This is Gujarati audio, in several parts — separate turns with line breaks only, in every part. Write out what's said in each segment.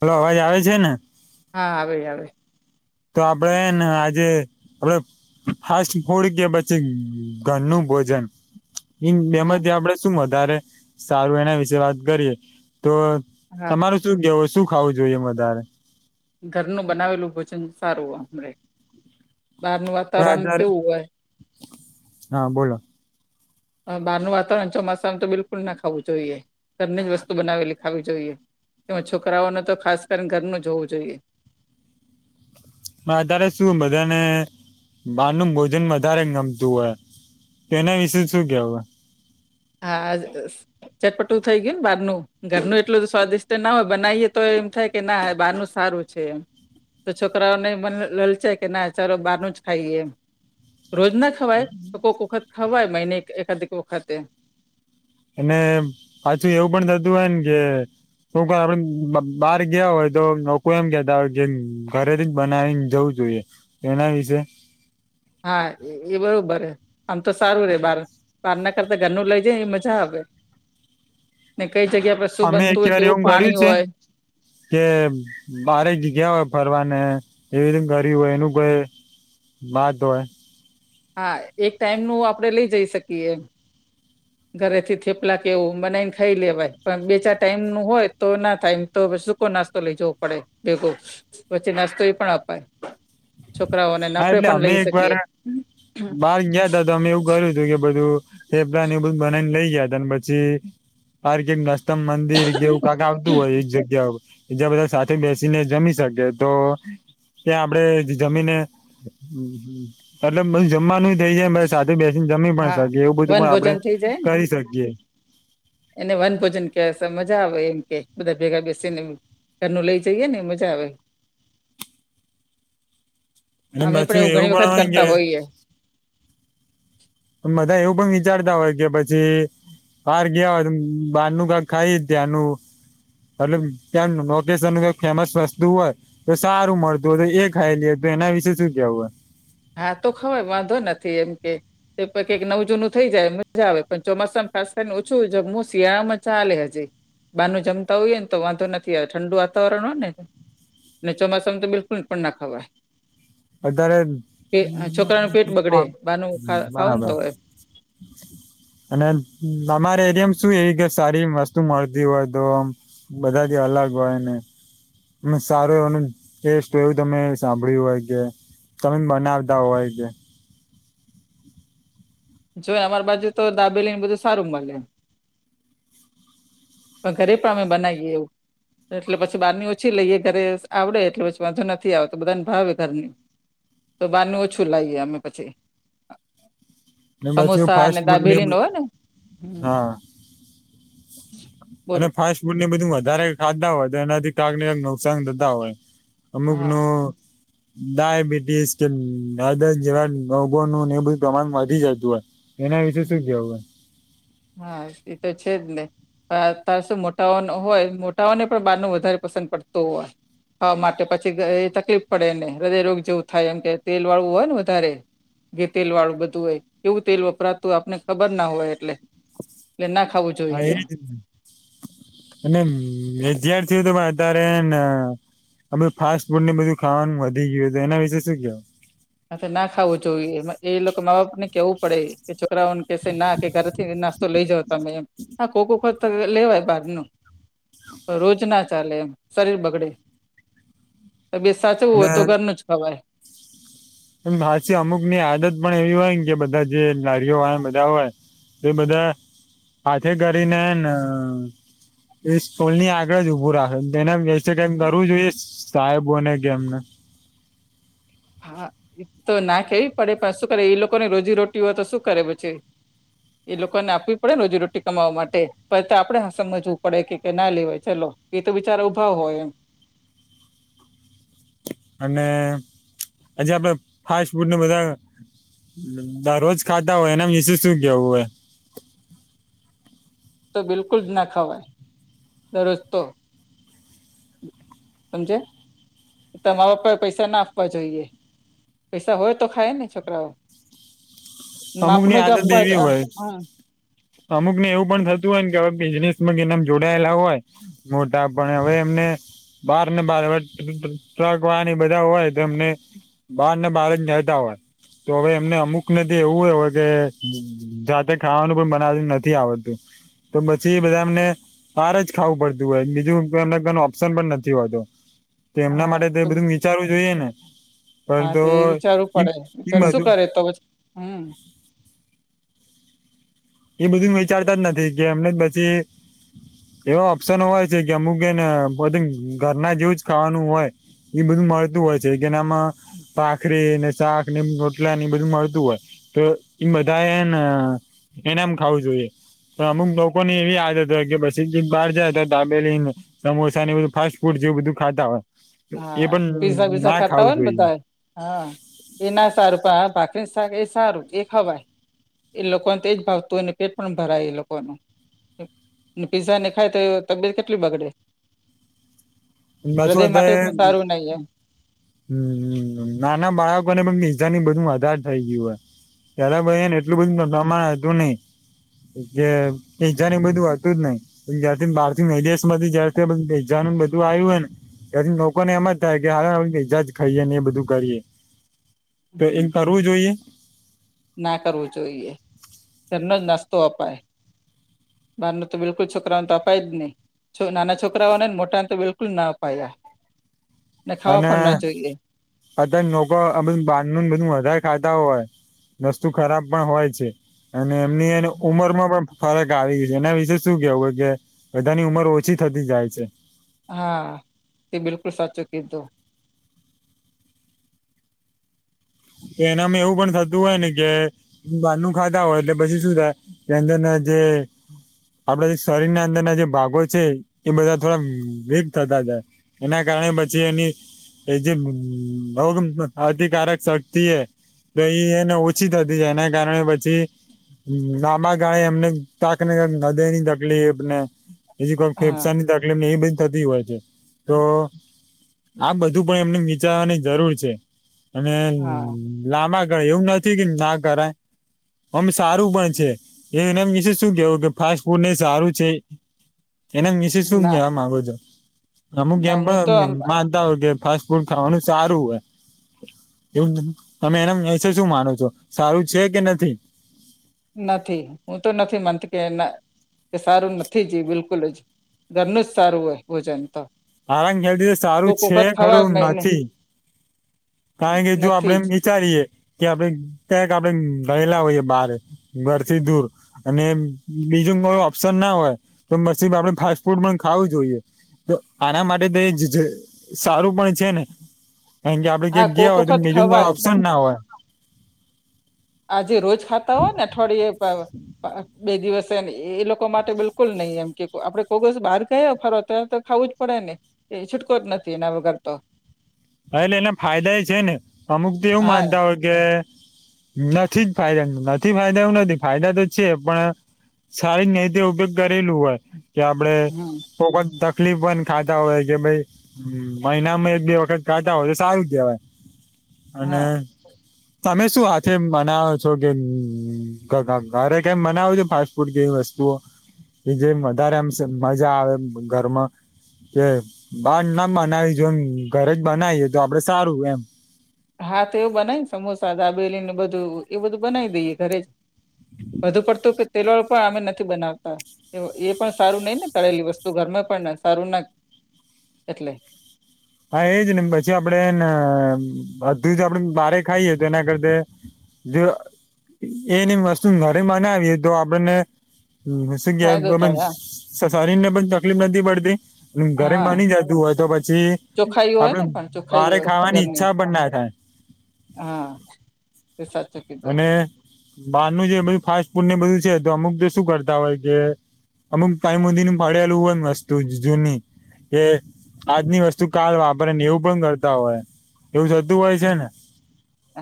હલો અવાજ આવે છે ને
હા આવે આવે
તો આપડેને આજે આપડ હા થોડી કે પછી ઘરનું ભોજન
હા
એમાંથી આપડે શું વધારે સારું એના વિશે વાત કરીએ તો
હા
તમાર શું કેવું શું ખાવું જોઈએ એ વધારે
ઘરનું બનાવેલું ભોજન સારુંમે બહાર ન
પણ
વાતાવરણ
અત્યારે
કેવું હોય
હા બોલો
બારનું વાતાવરણ ચોમાસાનું તો બિલકુલ ના ખાવું જોઈએ ઘરની જ વસ્તુ બનાવેલી ખાવી જોઈએ એમાં છોકરાઓને તો ખાસ કરીને ઘરનું જ હોવું જોઈએ
અ તારે શું બધાને બાર ન ભોજન વધારે ગમતું હોય તો એના વિશે શું કેવ
હા ચટપટું થઈ ગયું ને બહારનું ઘરનું એટલું સ્વાદિષ્ટ ના હોય બનાવીએ તો એમ થાય કે ના બારનું સારું છે તો છોકરાઓને બ છે કે ના ચાલો બહારનું જ ખાઈે રોજ ના ખવાય તો કોક વખત ખવાય મહિને એકાધ વખતે.
અને પાછું એવું પણ થતું હોય ને કે, શું આપે બ બહાર ગયા હોય તો લોકો એમ કેતા હોય જેમ ઘરે થી જ બનાવીન, જવું જોઈએ એના વિશેે,
હા એ બરોબર હ આમ તો સારું રે બાર, બારના કરતા ઘરનું લઈ જાય એ મજા આવે, ને કઈ જગ્યા પર, શું
અમે
બનતું હોય
એકય વાર
કેવું
એવું કર્યું
પાણી
છે.
હોય
કે બારેક જગ્યા હોય ફરવાને એવી રી ગર હોય એનું કોઈ. બાદ દોડ,
હા એક ટાઈમ નું આપણેે લઈ જઈ શકીએ.
[inaudible]
ઘરે થી થેપલા કે એવું બનાવીને ખાઈ લેવાય પણ બે ચાર ટાઈમ નું હોય તો ના થાય. તો સુૂકો નાસ્તો લઈ જવો પડે ભેગો પછી નાસ્તો એ પણ અપાય. છોકરાઓને ના આપણેે પણ લઈ શકીએ.
બાર ગયા ત તો અમે એવું કર્યું હતું કે બધું. થેપલા ન એ બધું બનાવીને લઇ ગયા હતા પછી પર્કે ટ નાસ્ ઉત્તમ મંદિર એવું કાક આવતું હોય એ જ જે બધા સાથે બેસીને જમી શકે તો ત્યાં આપડે જમીને એટલે બધું જમવાનું થઈ જાય સાથે બેસીને જમી પણ
હા
શકીએ એવું બધું
વન
પણ આપડે
ભોજન થઈ જાય ને
કરી શકીએ.
એને વન ભોજન કેવાય શ મજા આવે એમ કે બધા ભેગા બેસીને ઘરનું લઈ જઈએ ને મજા આવે.
[inaudible] એ
અમે પણ
પાછું
ઘણી
એવું પણ
વખત
હોય કે.
કરતા હોઈએ
બધા એવું પણ વિચારતા હોય કે પછી. બાર ગયા હોય બાર નનું કાક ખાઈ ત્યાંનું એટલે ત્યાં લોકેશન નુ ફેમસ વસ્તુ હોય. તો સારું મળતું હોય તો એ ખાઈ લે, તો એના વિશે શું કેવું હોય.
હા તો ખવાય વાંધો નથી એમ કે એ કઈક નવું જૂનું થઈ જાય મજા આવે પણ ચોમાસામાં ખાસ કરીને ઓછું જમું શિયાળમાં ચાલે હજી બારનું જમતા હોઈયએ ને તો વાંધો નથી આવતો ઠંડુ વાતાવરણ હોય ને ને ચોમાસામાં તો બિલકુલ પણ ના ખાવાય.
અત્યારે
છોકરાનું પેટ
હ
બગડે બારનું ખા ખાવ ને
બરાબર‌.
તો
[inaudible]
એમ
અને તમારે એરિયામાં શું એવી કે સારી વસ્તુ મળતી હોય તો ઓમ. બધાથી અલગ હોય ને સારું એનું ટેસ્ટ એવું તમે સાંભળ્યું હોય કે તમે બનાવતા હોય કે
જો અમાર બાજુ તો દાબેલી ને બધું સારું મળે. પણ ઘરે પણ અમે બનાવીએ એવું. એટલે પછી બારની ઓછી લઈએ ઘરે આવડે એટલે પછી વાંધો નથી આવતો બધાને ભાવે ઘરની તો બારનું ઓછું લાઇએ અમે પછી.
ને પછી
સમોસા અને
ફાસ્ટ ફૂડ
દાબેલી નો હોય ને
હા
[inaudible]
અને ફાસ્ટ ફૂડ ને બધું વધારે ખાતા હોય તો એનાથી કાક ને કાક નુકસાન થતા હોય. અમુક નુ
હા
ડાયાબિટીસ કે હૃદયજેવા રોગો નું એ બધું પ્રમાણ વ વધી જતુ હો એના વિશેે શું
હમ
કેવુંહે
હા એ તો છે જ ને. હા અતાર સુ મોટાઓ હોય મોટાઓને પણ બારનું વધારે પસંદ પડતું હોય. દુખાવા માટે પછી એ તકલીફ પડેને હૃદય રોગ જેવું થાય એમ કે તેલ વાળું હોય ને વધારે ધી તેલ વાળું બધું હોય એવું તેલ વપરાતુ તું હોય આપને ખબર ના હોય એટલે એટલે ના ખાવું
હા
જોઈએ એમ.
ઈ અને વિધાર્થી ઓ પણ અત્યારે હેને હ ફાસ્ટ ફૂડ ને બધું ખાવાનું વધી ગયું તો એના વિશે શું કેવું
હ ના ખાવું જોઈએ એ લોકો મા બાપ ને કેવું પડે કે છોકરાઓને કેશે ના કે ઘરે થી નાસ્તો લઈ જાવ મે એમ હા કોક વખત તો લેવાય બાર નુ રોજ ના ચાલે એમ શરીર બગડે તબિયત સાચવું
અને
હોય તો ઘરનું જ ખવાય
હા માસી અમુક ની આદત પણ એવી હોય ને કે બધા જે લારીઓ હોય બધા હોય એ બધા પાથે કરીને એ સોલ ની આગળ જ ઉભું રાખે તેને કસે કમ કરવું જોઈએ સાહેબ બોને કે એમને
હા એ તો નાખેવી પડે પણ શું કરે એ લોકોને રોજી રોટી હોય તો શું કરે પછી એ લોકો ને આપવી પડે ને રોજીરોટી કમાવવા માટે પ તો આપડણે સમજવું પડે કે ના લેવાય ચલો એ તો બચારો ઊભા હોય એમ
અને આજે આપડે ફાસ્ટ ફૂડને બધા દર રરોજ ખાતા હોય એના વિશે શું કેવું હોય
તો બિલકુલ જ ના ખાવાય દરરોજ તો સમજે તમારા પર પૈસા ના આપવા જોઈએ પૈસા હોય તો ખાાય ને છોકરાઓ
અમુક
માપનો
ની
જ
આદત
આપવા
એવી હોય
હા
અમુક ને એવું પણ થતું હોય ને કે હવે બિઝનેસ માં કે નામ જોડાયેલા હોય મોટા પણ હવે એમને બહાર ને બાર હ ટ્રક વાની બધા હોય તોમને બાર ને બાર જ નતા હોય તો હવે એમને અમુકને એવું હોય કે જાતે ખાવાનું પણ બનાવવા નથી આવડતું તો પછી બધા અમને બારે જ ખાવું પડતું હોય બીજું એને કને ઓપ્શન પણ નથી હોતું તો એમના માટે તો એ બધું વિચારવું જોઈએ ને
હા
પરંતુ
તો એ વિચારવું પડે
એ
વિચાર શું
બધું
કરે તો પછી હમ્મ
એ બધું વિચારતા જ નથી કે એમને પછી એવા ઓપ્શન હોય છે કે અમુક એને બધ ઘરના જેવું જ ખાવાનું હોય એ બધું મળતું હોય છે કેનામાં ભાખરી ને શાક ને રોટલા ને એ બધું મળતું હોય તો એ બધાને એને એમ ખાવું જોઈએ તો અમુક લોકો ને એવી આદત હોય કે પછી બહાર જાય તો ધાબેલીને સમોસા ને એ બધું ફાસ્ટ ફૂડ જેવું બધું ખાતા હોય એ
હા પિઝા
પણ
બીઝા
ના
ખતા
ખાવું
હોય ને
જોઈએ
બધાય હા એ ના સારું પણ ભાખરી એ સારું એ ખવાય એ લોકોને તેજ ભાવતુ હોયને પેટ પણ ભરાય એ લોકોનું પીઝા ને ખાય તો એ તબિયત કેટલી બગડે
પાછું
હૃદય માટે
અત્યારે
પણ સારું નહી એમ
હમ્મ નાના બાળકો ને પણ નિજા ની બધું વધાર થઇ ગયું હોય ત્યારે ભાઈને એટલું બધું પ્રમાણમા હતું નહી જે બધું હતું જ નહી [unintelligible] ધું આવ્યું હોય ને ત્યારે લોકોને એમ જ થાય કે ઈજાજ ખાઈએ ને એ બધું કરીએ તો
હમ
એમ કરવું જોઈએ
ના કરવું જોઈએ ધરનો જ નાસ્તો અપાય બાર નૂ તો બિલકુલ છોકરાઓને તો અપાય જ નહી છ નાના છોકરાઓને મોટા ને તો બિલકુલ ના અપાય
અને અત્યારે લોકો આ બધું બાંધું બધું વધારે ખાતા હોય વસ્તુ ખરાબ પણ હોય છે અને એમની એને ઉમર માં પણ ફરક આવી ગયુ છે એના વિશેે શું કેવું હોય કે બધાની ઉંમર ઓછી થતી જાય છે
હા તે બિલકુલ સાચું કીધું
તો એનામાં એવું પણ થતું હોય ને કે હ બારનું ખાતા હોય એટલે પછી શું થાય કે અંદર ના જે આપડા જે શરીર ના અંદરના જે ભાગો છે એ બધા થોડા વિક થતા જાય એના કારણે પછી એની જે રોગ પ્રતિકારક શક્તિ શકિત એ એન ઓછી થતી જાય એના કારણે પછી હ લાંબ ગાળે એમને કાક ને કાક હૃદયની તકલીફ ને બીજ કોઈ
હા
ફેફસા ની તકલીફ એ બધી થતી હોય છે તો આ બધું પણ એમને વિચારવાની જરૂર છે અને
હા
લાંબા ગાળેય એવું નથી કે ના કરાય ઓમ સારું પણ છે એના વિશે શું કેવું ફાસ્ટ ફૂડ ને સારું છે એના વિશે શું
ના
કેવા માંગો છો અમુક
ના
એમ
હું તો
પણ માન [unintelligible] ફાસ્ટ ફૂડ ખાવાનું સારું હોય એવું તમે એના વિશે શું માનો છો સારું છે કે નથી
નથી હું તો નથી માનતી કે ના સારું નથી જ બિલકુલ જ ઘરનું જ સારું હોય ભોજન તો
મારા ખ્યાલ થી સારું
કોક
છે
વખત ખવાય
ખરું
મહિને
નથી કારણ કે જો આપડે
નથી
એમ
જ
વિચારીએ કે આપણે ક્યાંક આપણે રહેલા હોઈએ બારે ઘરથી દૂર અને બીજું કોઈ ઓપ્શન ના હોય તો પછી આપડે ફાસ્ટ ફૂડ પણ ખાવું જોઈએ તો આના માટે તો જ સારું પણ છે ને કારણ કે આપડે
હા
ક્યા ગયા
કોક
હોય તો
વખત
બીજું કોઈ
ખવાય
ઓપ્શન ના હોય
આજે રોજ ખાતા હોય ને અઠવાડિયે બે દિવસ એમ એ લોકો માટે બિલકુલ નહી એમ કે આપડે કોક દિવસ બહાર ગયા ફરવા તો ખાવું જ પડે ને એ છૂટકો જ નથી એના વગર તો
હ એટલે એના ફાયદા એ છે ને અમુક તો એવું
હા
માનતા હોય કે નથી જ ફાયદા નથી ફાયદા એવું નથી ફાયદા તો છે પણ સારી રીતે ઉપયોગ કરેલું હોય કે આપડે
હમ
કોક જ તકલીફ પણ ખાતા હોય કે ભાઈ મહિનામાં એક બે વખત ખાતા હોય તો સારું કેવાય અને
હા
તમે શું હાથે મનાવો છો કે ઘરે કાઈ બનાવો છો ફાસ્ટ ફૂડ જેવી વસ્તુઓ કે જે વધારે આમ મજા આવે ઘરમાં કે બાર ના બનાવી જો એમ ઘરે જ બનાવીએ તો આપડે સારું એમ
હા તો એવુ બનાયને સમોસા દાબેલી ને બધું એ બધું બનાવી દઈએ ઘરે જ વધુ પડતું તેલવાળુ પણ અમે નથી બનાવતા એ પણ સારું નઈ ને તળેલી વસ્તુ ઘરમાં પણ સારું ના એટલે
હા એજ ને પછી આપડણે હેનેબધું જ આપડે બારે ખાઈએ તો એના કરતાં જો એને એ વસ્તુ ઘરે બનાવીએ તો આપણને [unintelligible]
ફાયદો થાય
શરીર ને પણ તકલીફ નથી પડતી
હા
ઘરેમ
હા
બની જતું હોય તો પછી
ચોખાઈ હોય
આપડે
ને પણ ચોખાઈ
બારે
હોય
ખાવાની
ઘરની
ઈચ્છા પણ ના થાય
હા તે સાચું કીધું
અને બહારનું જે બધું ફાસ્ટ ફૂડને બધું છે તો અમુક શું કરતા હોય કે અમુક ટાઈમ હુધી મને પડેલુ હોય વસ્તુ જૂની કે આજની વસ્તુ કાલ વાપરે ને એવું પણ કરતા હોય એવું થતું હોય છે
હમ.
ને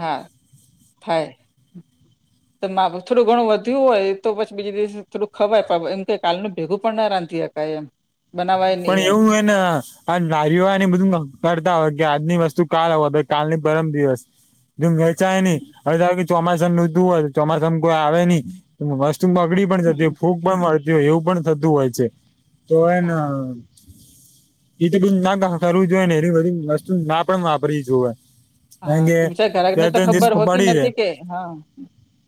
હા થાય
હ [inaudible]
તો થોડું ઘણું વધ્યું હોય તો પછી બીજ દિવસે થોડું ખવાય એમ કે કાલનું ભેગું પણ ના રાંધી હકાય એમ બનાવાય નહી
પણ
એમ
એવું એને આ લારીઓને બધું કરતા હોય કે આજની વસ્તુ કાલ હોય કાલની પરમ દિવસ વેચાય નઈ
હમ,
હવે ધારો કે ચોમાસા ની ઋતુ હોય ચોમાસા માં કોઈ આવે નઈ વસ બગડી પણ જતી
હમ,
હોય ફૂગ પણ વળતી હોય એવું પણ થતું હોય છે તો એને
હા
એ તો બધુ ના કરવું જોઈય ને એ બધી વસ્તુ ના પણ વાપરવી જોવે
હા બિચાર ગ્રાહકને તો ખબર હોતી
પડી રહે
નથી કે હા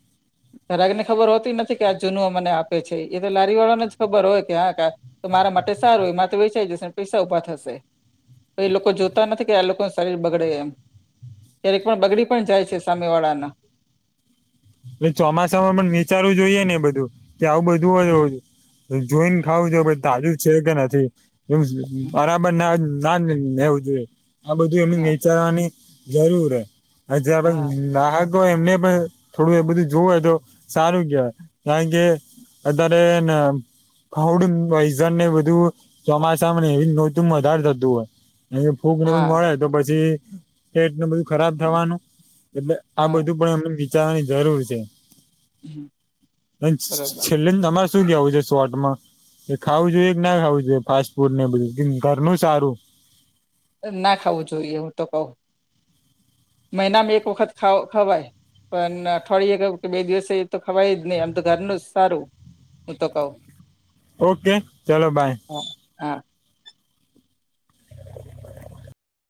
[unintelligible]
ગ્રાહક ને ખબર હોતી નથી કે આ જૂનું મને આપે છે એ તો લારી વાળા ને જ ખબર હોય કે હા તો મારા માટે સારું એ મા તો વેચાઈ જશે ને પૈસા ઊભા થશે તો એ લોકો જોતા નથી કે આ લોકોનુ શરીર બગડે એમ ક્યારેક પણ બગડી પણ જાય છે સામે વાળા ના
એ ચોમાસામાં પણ વિચારવું જોઈએ ને બધું કે આવું બધું હોય જોઈને ખાવું જોઈ તાજું છે કે નથી એમ બરાબર ના‌ હોય ના લેવું જોઈએ આ બધું એને
હા
વિચારવાની જરૂર હે [unintelligible]
હા
પણ ગ્રાહકો એમને પણ થોડું એ બધું જોવે તો સારું કહેવાય કારણ કે અત્યારેને ફૂડ પોઈઝન ને બધું ચોમાસા માં ને એવી ઋતુ માં વધારે થતું હોય. એ ફૂગ ને બધું
હા
વળે તો પછી પેટને બધું ખરાબ થવાનું એટલે આ
હા
બધું પણ એમ જવાની જરૂર છે
બરોબર
છેલ્લેન તમાર શું કહેવું છે શોર્ટમાં એ ખાવું જોઈએ કે ના ખાવું જોઈએ ફાસ્ટ ફૂડ ને બધું ઘરનું સારું?
ના ખાવું જોઈએ હું તો કઉ મહિનામાં એક વખત ખા ખવાય પણ અઠવાડિયે કે બે દિવસે એ તો ખવાય જ નહી આમ તો ઘરનું જ સારું હુ તો કઉ
ઓકે ચલો બાય.
હા હા
[unintelligible]